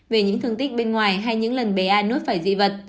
về những thương tích bên ngoài hay những lần bé a nuốt phải dị vật